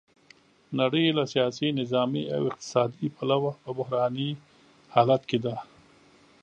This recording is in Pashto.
نړۍ له سیاسي، نظامي او اقتصادي پلوه په بحراني حالت کې ده.